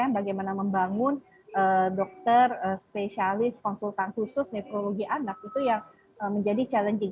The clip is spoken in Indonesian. bagaimana membangun dokter spesialis konsultan khusus netrologi anak itu yang menjadi challenging